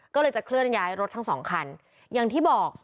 ก็เลยจะเคลื่อนย้ายรถทั้งสองคันอย่างที่บอก